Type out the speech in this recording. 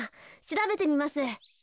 しらべてみます。